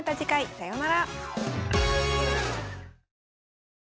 さようなら。